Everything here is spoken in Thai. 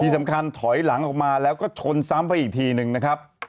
สำคัญถอยหลังออกมาแล้วก็ชนซ้ำไปอีกทีหนึ่งนะครับ